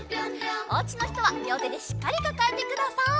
おうちのひとはりょうてでしっかりかかえてください。